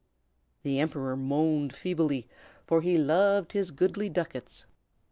The Emperor moaned feebly, for he loved his goodly ducats.